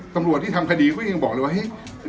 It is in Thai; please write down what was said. ตำรวจที่ทำคดีก็ยังบอกเลยว่าเฮ้ย